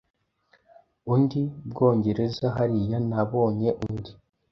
Undi Bwongereza hariya nabonye Undi